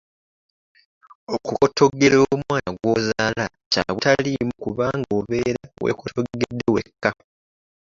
Okukotoggera omwana gw'ozaala kya butaliimu kubanga obeera weekotoggedde wekka.